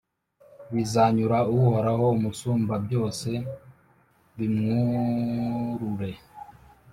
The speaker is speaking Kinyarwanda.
bizanyura Uhoraho Umusumbabyose, bimwurure»